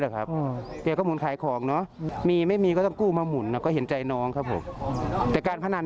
ยืนยันยังไงบ้างครับการพนันหลานได้คุยอะไรกับเรากัน